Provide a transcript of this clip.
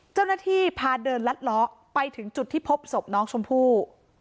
เจ้าหน้าที่พาเดินลัดล้อไปถึงจุดที่พบศพน้องชมพู่